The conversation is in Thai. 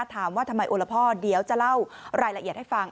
ถามว่าทำไมโอละพ่อเดี๋ยวจะเล่ารายละเอียดให้ฟัง